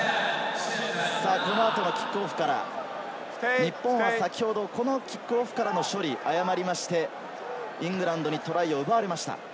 この後のキックオフから日本は先ほどこのキックオフからの処理を誤りまして、イングランドにトライを奪われました。